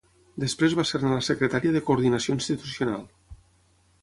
Després va ser-ne la secretària de coordinació institucional.